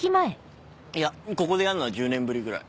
いやここでやるのは１０年ぶりぐらい。